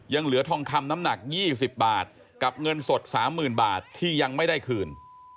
เหลือทองคำน้ำหนัก๒๐บาทกับเงินสด๓๐๐๐บาทที่ยังไม่ได้คืน